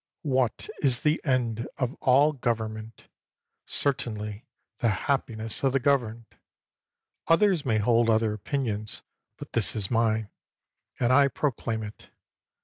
"What is the end of all government ? Certainly the happiness of the governed. Others may hold other opinions, but this is mine, and I pro claim it.